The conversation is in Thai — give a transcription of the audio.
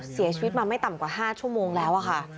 เสียชีวิตมาไม่ต่ำกว่า๕ชั่วโมงแล้วค่ะ